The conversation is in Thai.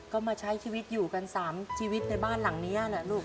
ก็มาใช้ชีวิตอยู่กัน๓ชีวิตในบ้านหลังนี้แหละลูก